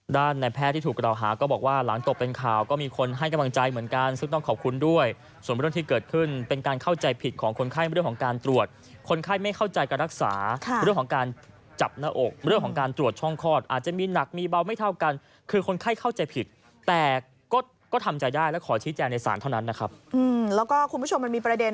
ด้านแพทย์ที่ถูกกระด่าหาก็บอกว่าหลังตกเป็นข่าวก็มีคนให้กำลังใจเหมือนกันซึ่งต้องขอบคุณด้วยส่วนบริเวณที่เกิดขึ้นเป็นการเข้าใจผิดของคนไข้เรื่องของการตรวจคนไข้ไม่เข้าใจการรักษาเรื่องของการจับหน้าอกเรื่องของการตรวจช่องคลอดอาจจะมีหนักมีเบาไม่เท่ากันคือคนไข้เข้าใจผิดแต่ก็ก็ทำใจได